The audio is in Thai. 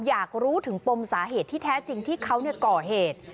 อยากรู้ถึงปมสาเหตุที่แท้จริงที่เขาก่อเหตุ